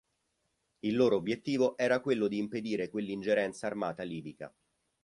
Il loro obiettivo era quello d'impedire quell'ingerenza armata libica.